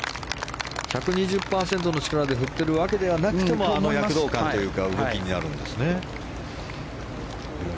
１２０％の力で振っているわけではなくてもあの躍動感というか動きになるんですね。